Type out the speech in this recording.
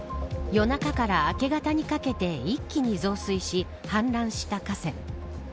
夜中から明け方にかけて一気に増水し氾濫した河川。